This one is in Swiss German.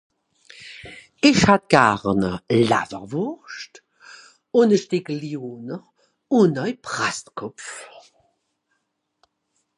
Isch hätt Garn Lawerwurscht un e Steckel Lyoner un au Presskopf